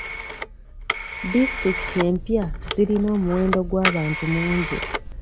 Disitulikiti empya zirina omuwendo gw'abantu mungi.